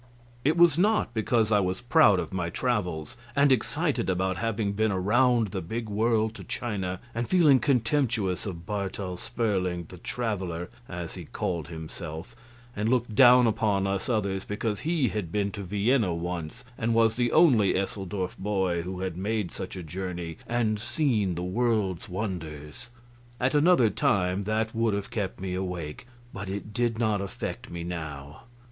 It was not because I was proud of my travels and excited about having been around the big world to China, and feeling contemptuous of Bartel Sperling, "the traveler," as he called himself, and looked down upon us others because he had been to Vienna once and was the only Eseldorf boy who had made such a journey and seen the world's wonders. At another time that would have kept me awake, but it did not affect me now.